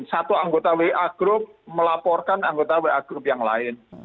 satu anggota wa group melaporkan anggota wa group yang lain